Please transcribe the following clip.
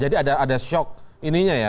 jadi ada ada shock ininya ya